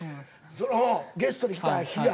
そのゲストで来た日が。